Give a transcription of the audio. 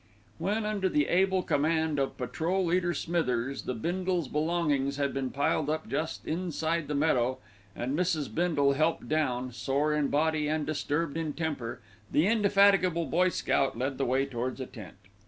When, under the able command of Patrol leader Smithers, the Bindles' belongings had been piled up just inside the meadow and Mrs. Bindle helped down, sore in body and disturbed in temper, the indefatigable boy scout led the way towards a tent.